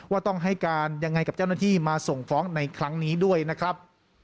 ว่าต้องให้การยังไงกับเจ้าหน้าที่มาส่งฟ้องในครั้งนี้ด้วยนะครับ